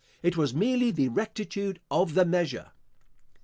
It was merely the rectitude of the measure.